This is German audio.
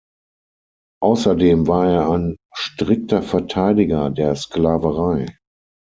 Außerdem war er ein strikter Verteidiger der Sklaverei.